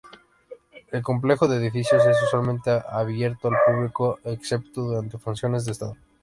El complejo de edificios es usualmente abierto al público, excepto durante funciones de Estado.